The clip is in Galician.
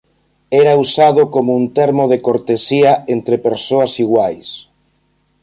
Era usado como un termo de cortesía entre persoas iguais.